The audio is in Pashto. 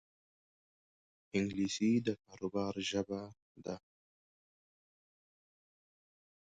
انګلیسي د کاروبار ژبه ده